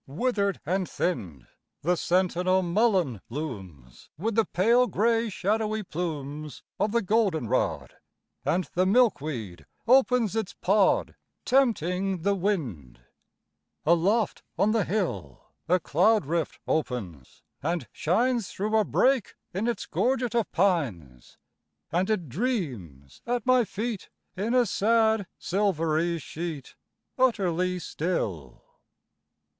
Withered and thinned, The sentinel mullein looms, With the pale gray shadowy plumes Of the goldenrod; And the milkweed opens its pod, Tempting the wind. Aloft on the hill, A cloudrift opens and shines Through a break in its gorget of pines, And it dreams at my feet In a sad, silvery sheet, Utterly still.